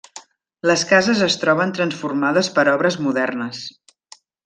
Les cases es troben transformades per obres modernes.